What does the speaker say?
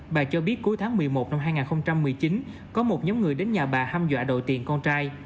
bà cho biết cuối tháng một mươi một năm hai nghìn một mươi chín có một nhóm người đến nhà bà ham dọa đội tiền con trai